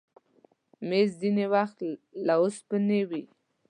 مېز ځینې وخت له اوسپنې وي.